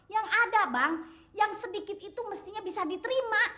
yang ada bang yang sedikit itu mestinya bisa diterima